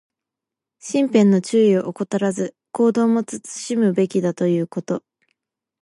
身辺の注意を怠らず、言動も慎むべきだということ。